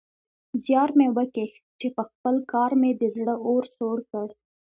زيار مې وکيښ چې پخپل کار مې د زړه اور سوړ کړ.